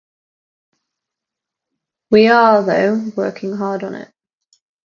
We are, though, working hard on it.